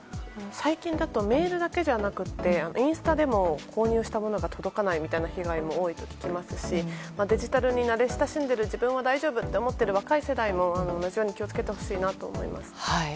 最近だとメールだけじゃなくてインスタでも購入したものが届かないといった被害が多いと聞きますしデジタルに慣れ親しんでる自分は大丈夫と思っている若い世代も気を付けてほしいなと思います。